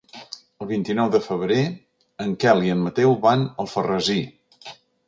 El vint-i-nou de febrer en Quel i en Mateu van a Alfarrasí.